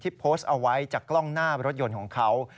โพสต์เอาไว้จากกล้องหน้ารถยนต์ของเขา